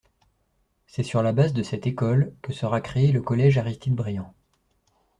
C'est sur la base de cette école que sera créé le collège Aristide-Briand.